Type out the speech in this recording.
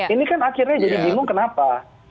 ini kan akhirnya jadi bingung kenapa